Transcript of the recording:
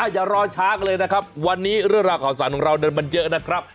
อย่ารอช้ากันเลยนะครับวันนี้เรื่องราวข่าวสารของเรามันเยอะนะครับ